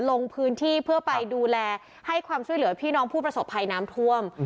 ลงพื้นที่เพื่อไปดูแลให้ความช่วยเหลือพี่น้องผู้ประสบภัยน้ำท่วม